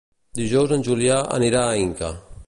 Dilluns en Julià anirà a Inca.